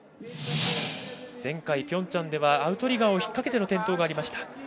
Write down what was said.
前回ピョンチャンではアウトリガーを引っ掛けての転倒がありました。